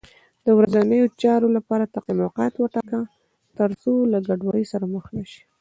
ورځنیو چارو لپاره تقسیم اوقات وټاکه، تر څو له ګډوډۍ سره مخ نه شې